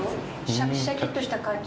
シャキシャキっとした感じなの？